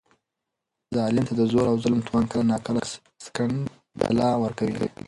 ظالم ته د زور او ظلم توان کله ناکله سنګدلان ورکوي.